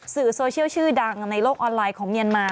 สื่อโซเชียลชื่อดังในโลกออนไลน์ของเมียนมา